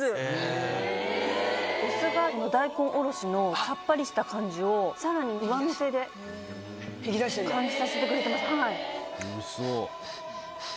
お酢が大根おろしのサッパリした感じをさらに上乗せで感じさせてくれてます。